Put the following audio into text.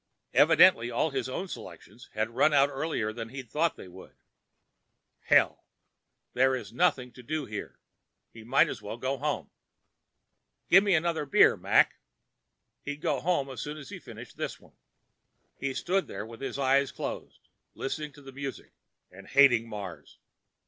Evidently all of his own selections had run out earlier than he'd thought they would. Hell! There was nothing to do here. He might as well go home. "Gimme another beer, Mac." He'd go home as soon as he finished this one. He stood there with his eyes closed, listening to the music and hating Mars.